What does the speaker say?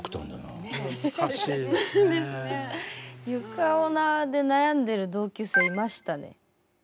床オナで悩んでる同級生いましたね。